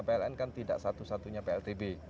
pln kan tidak satu satunya pltb